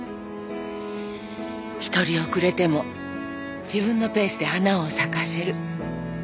一人遅れても自分のペースで花を咲かせる。